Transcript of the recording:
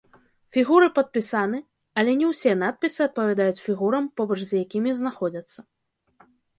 Фігуры падпісаны, але не ўсе надпісы адпавядаюць фігурам, побач з якімі знаходзяцца.